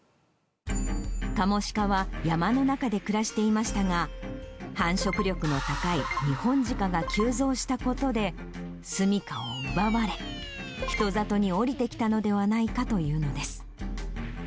カモシカは山の中で暮らしていましたが、繁殖力の高いニホンジカが急増したことで、住みかを奪われ、人里に下りてきたのではないかというのです。